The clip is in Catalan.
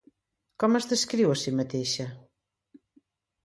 Com es descriu a si mateixa?